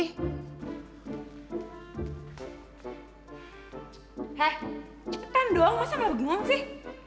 he cepetan doang masa gak pergi ngomong sih